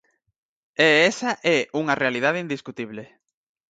E esa é unha realidade indiscutible.